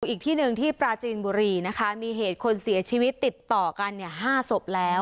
อีกที่หนึ่งที่ปราจีนบุรีนะคะมีเหตุคนเสียชีวิตติดต่อกัน๕ศพแล้ว